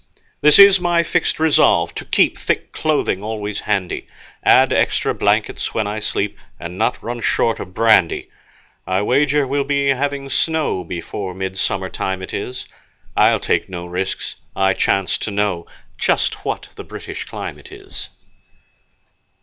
This is my fixed resolve to keep Thick clothing always handy, Add extra blankets when I sleep, And not run short of brandy. I wager we'll be having snow Before midsummer time it is. I'll take no risks. I chance to know Just what the British climate is. P.G.